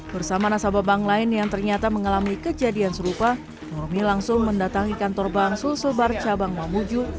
bersama nasabah bank lain yang ternyata mengalami kejadian serupa nurmi langsung mendatangi kantor bank sulselbar cabang mamuju